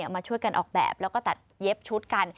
มาช่วยกันออกแบบแล้วก็ตัดเย็บชุดกัน